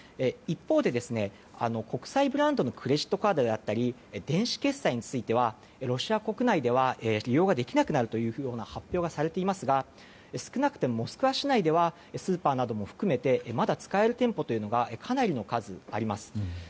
一方で国際ブランドのクレジットカードであったり電子決済についてはロシア国内では利用ができなくなると発表がされていますが少なくともモスクワ市内ではスーパーなども含めてまだ使える店舗というのがかなりの数あります。